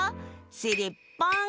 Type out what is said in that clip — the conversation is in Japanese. しりっぽん！